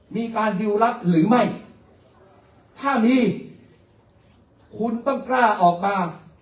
มีการดิวรัฐหรือไม่ถ้ามีคุณต้องกล้าออกมา